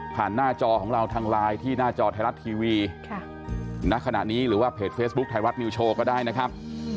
หน้าจอของเราทางไลน์ที่หน้าจอไทยรัฐทีวีณขณะนี้หรือว่าเพจเฟซบุ๊คไทยรัฐนิวโชว์ก็ได้นะครับ